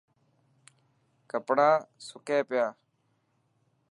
ڪپڙا سڪي پيا.